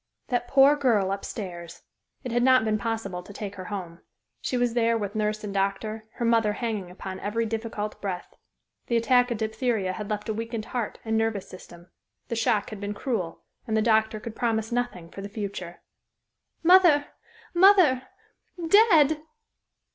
That poor girl up stairs! It had not been possible to take her home. She was there with nurse and doctor, her mother hanging upon every difficult breath. The attack of diphtheria had left a weakened heart and nervous system; the shock had been cruel, and the doctor could promise nothing for the future. "Mother mother!... _Dead!